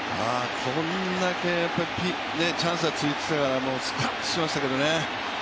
こんだけチャンスが続いてたからスカッとしましたけどね。